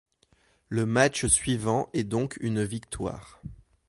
Le match suivant est donc une victoire.